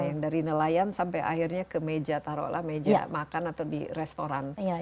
yang dari nelayan sampai akhirnya ke meja taruhlah meja makan atau di restoran